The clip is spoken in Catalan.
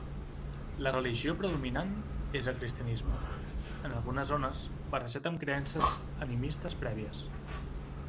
La religió predominant és el cristianisme, en algunes zones barrejat amb creences animistes prèvies.